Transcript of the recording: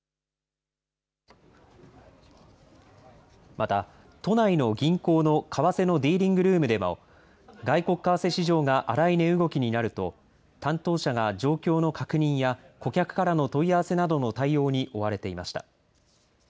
また、都内の銀行の為替のディーリングルームでも、外国為替市場が荒い値動きになると、担当者が状況の確認や、顧客からの問い合わせなどの対応に追われていました。